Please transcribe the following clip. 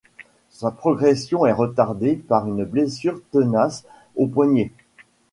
Sa progression est retardée par une blessure tenace au poignet.